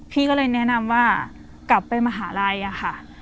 พี่ก็เลยแนะนำว่ากลับไปมหาลัยอะค่ะ